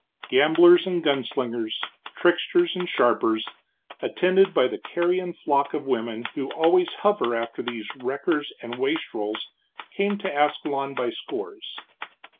Gamblers and gun slingers, tricksters and sharpers, attended by the carrion flock of women who always hover after these wreckers and wastrels, came to Ascalon by scores.